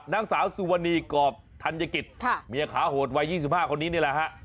นางสาวสุวรรณีกรอบธัญกิจเมียขาโหดวัย๒๕คนนี้นี่แหละฮะ